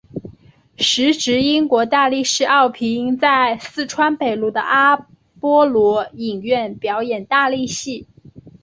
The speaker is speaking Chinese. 时值英国大力士奥皮音在四川北路的阿波罗影院表演大力戏。